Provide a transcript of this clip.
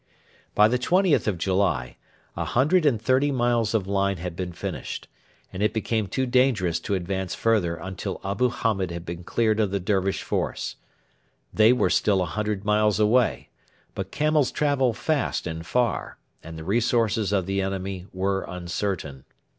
By the 20th of July a hundred and thirty miles of line had been finished, and it became too dangerous to advance further until Abu Hamed had been cleared of the Dervish force. They were still a hundred miles away, but camels travel fast and far, and the resources of the enemy were uncertain.